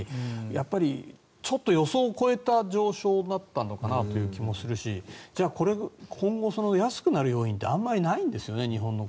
やはりちょっと予想を超えた上昇だったのかなという気もするしこれが今後安くなる要因ってあまりないんですよね。